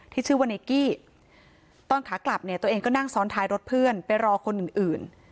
ที่ชื่อว่าไนกี้ตอนขากลับเนี่ยตัวเองก็นั่งซ้อนท้ายรถเพื่อนไปรอคนอื่น